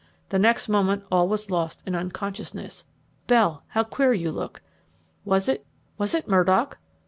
The next moment all was lost in unconsciousness. Bell, how queer you look! Was it was it Murdock?